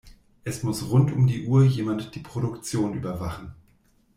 Es muss rund um die Uhr jemand die Produktion überwachen.